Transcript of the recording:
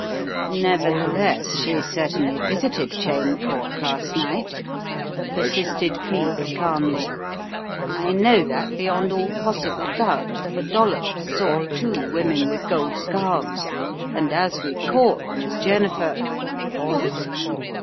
"Nevertheless, she certainly visited Cheyne Court last night/ 5 persisted Cleek, calmly. "I know that beyond all possible doubt, for Dollops saw two women with gold scarves, and as we caught Miss Jennifer " "What?"